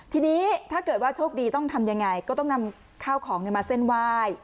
ทีนี้ถ้าเกิดว่าโชคดีต้องทำยังไงก็ต้องนำข้าวของมาเส้นไหว้